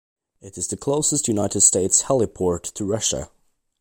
It is the closest United States heliport to Russia.